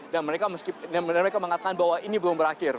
dan mereka mengatakan bahwa ini belum berakhir